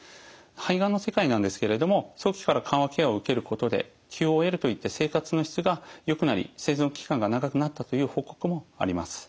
肺がんの世界なんですけれども初期から緩和ケアを受けることでＱＯＬといった生活の質がよくなり生存期間が長くなったという報告もあります。